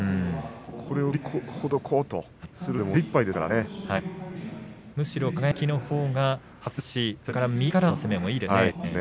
これを振りほどこうとするのでむしろ輝のほうがはず押しそれから右からの攻めもいいですかね。